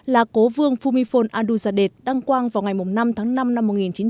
là cố vương phumifol aduzadeh đăng quang vào ngày năm tháng năm năm một nghìn chín trăm năm mươi